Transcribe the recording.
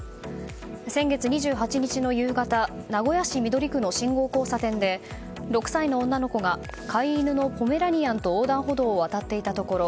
先月２８日の夕方名古屋市緑区の信号交差点で６歳の女の子が飼い犬のポメラニアンと横断歩道を渡っていたところ